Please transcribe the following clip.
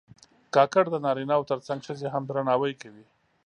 کاکړ د نارینه و تر څنګ ښځې هم درناوي کوي.